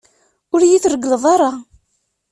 Ur yi-treggleḍ ara.